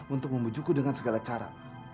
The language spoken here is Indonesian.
untuk memujuku dengan segala cara